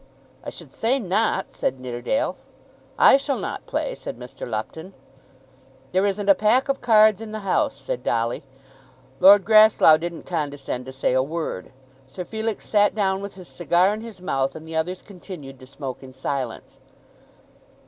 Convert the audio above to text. "I should say not," said Nidderdale. "I shall not play," said Mr. Lupton. "There isn't a pack of cards in the house," said Dolly. Lord Grasslough didn't condescend to say a word. Sir Felix sat down with his cigar in his mouth, and the others continued to smoke in silence.